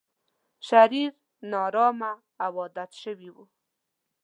شرير، نا ارامه او عادت شوی و.